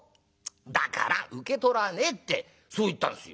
だから受け取らねえってそう言ったんですよ。